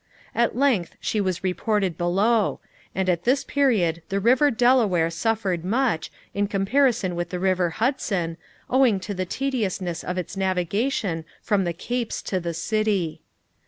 At length she was reported below; and at this period the river Delaware suffered much, in comparison with the river Hudson, owing to the tediousness of its navigation from the capes to the city.